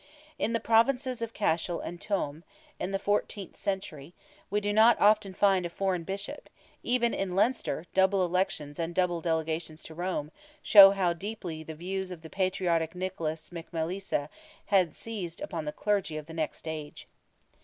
In the Provinces of Cashel and Tuam, in the fourteenth century, we do not often find a foreign born Bishop; even in Leinster double elections and double delegations to Rome, show how deeply the views of the patriotic Nicholas McMaelisa had seized upon the clergy of the next age.